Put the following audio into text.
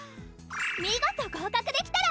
見事合格できたら！